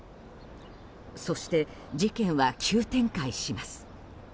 そして、事件は急展開します。